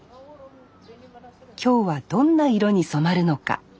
今日はどんな色に染まるのか。